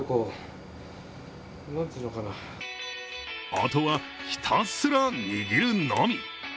あとは、ひたすら握るのみ。